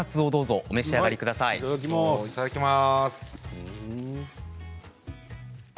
いただきます。